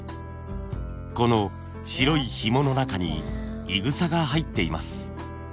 この白いひもの中にいぐさが入っています。